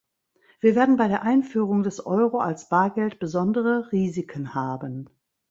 Wir werden bei der Einführung des Euro als Bargeld besondere Risiken haben.